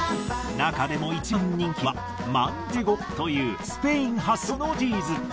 なかでも一番人気はマンチェゴというスペイン発祥のチーズ。